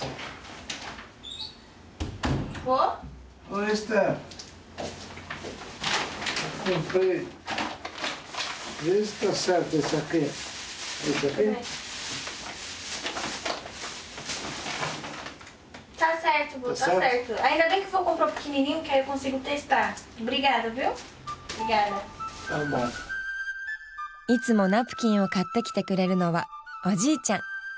いつもナプキンを買ってきてくれるのはおじいちゃん。